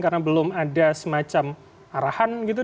karena belum ada semacam arahan gitu